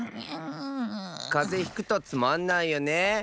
かぜひくとつまんないよね。